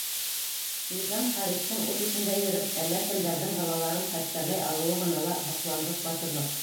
Низам Ҡәриптең ут эсендә йөрөп, әллә кемдәрҙең балаларын хәстәрләй алыуы ғына ла — һоҡланғыс батырлыҡ!